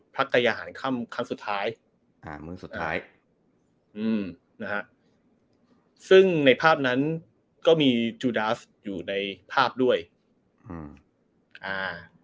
กายยาหารค่ำครั้งสุดท้ายอ่าเมืองสุดท้ายอืมนะฮะซึ่งในภาพนั้นก็มีจูดาสอยู่ในภาพด้วยอืมอ่า